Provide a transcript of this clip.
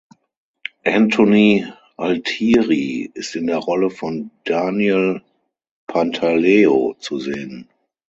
Anthony Altieri ist in der Rolle von Daniel Pantaleo zu sehen.